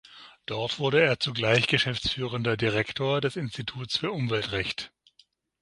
Dort wurde er zugleich geschäftsführender Direktor des Instituts für Umweltrecht.